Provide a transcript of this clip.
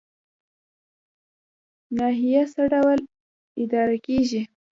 ناحیه څه ډول اداره کیږي؟